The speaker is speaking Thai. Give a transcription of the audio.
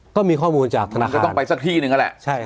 ก็มีข้อมูลจากธนาคารมันก็ต้องไปสักที่หนึ่งแหละใช่ครับ